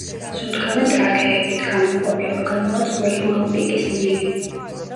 სუნთქავენ ტრაქეებით, გამომყოფი ორგანოა წყვილი მალპიგის მილი.